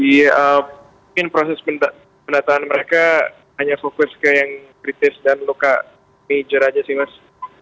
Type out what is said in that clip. mungkin proses pendataan mereka hanya fokus ke yang kritis dan luka major aja sih mas